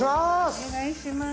お願いします。